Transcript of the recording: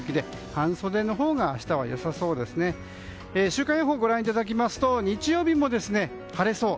週間予報をご覧いただきますと日曜日も晴れそう。